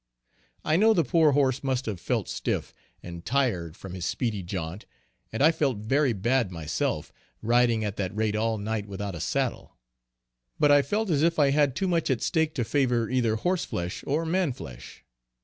I know the poor horse must have felt stiff, and tired from his speedy jaunt, and I felt very bad myself, riding at that rate all night without a saddle; but I felt as if I had too much at stake to favor either horse flesh or man flesh.